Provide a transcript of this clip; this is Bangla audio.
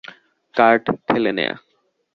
কার্ট ঠেলে নেয়া।